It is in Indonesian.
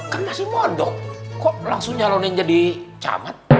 kan masih bodoh kok langsung nyalonin jadi camat